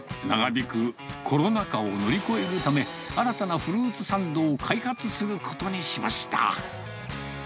長引くコロナ禍を乗り越えるため、新たなフルーツサンドを開発することにしました。